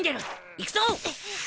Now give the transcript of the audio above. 行くぞ。